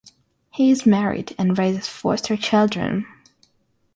He is married and raises foster children.